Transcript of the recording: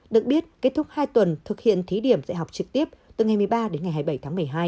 được biết kết thúc hai tuần thực hiện thí điểm dạy học trực tiếp từ ngày một mươi ba đến ngày hai mươi bảy tháng một mươi hai